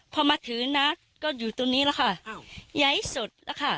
พอมาถือนัดก็อยู่ตรงนี้แล้วค่ะอ้าวย้ายสดแล้วค่ะ